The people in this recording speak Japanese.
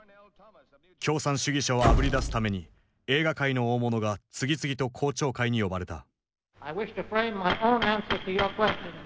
共産主義者をあぶり出すために映画界の大物が次々と公聴会に呼ばれた。